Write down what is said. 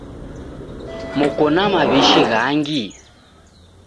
Moko na maw'ishi ghangi?